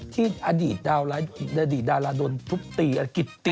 ที่อดีตดาลาอดีตดาลาโดนทุบตีกิดติก